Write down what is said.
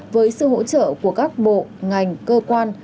với sự hỗ trợ của các bộ ngành cơ quan